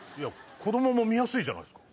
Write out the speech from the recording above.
子供も見やすいじゃないですか。